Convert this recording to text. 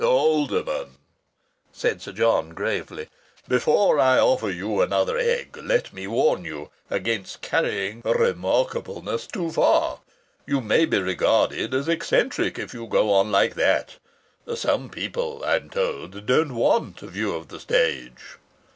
"Alderman," said Sir John, gravely, "before I offer you another egg, let me warn you against carrying remarkableness too far. You may be regarded as eccentric if you go on like that. Some people, I am told, don't want a view of the stage."